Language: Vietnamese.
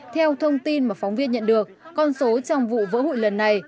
theo thông tin mà phóng viên nhận được con số trong vụ vỡ hụi lần này